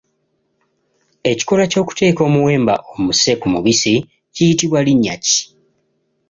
Ekikolwa ky’okuteeka omuwemba omuse ku mubisi kiyitibwa linnya ki?